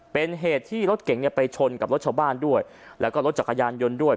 เป็นเหตุที่รถเก่งเนี่ยไปชนกับรถชาวบ้านด้วยแล้วก็รถจักรยานยนต์ด้วย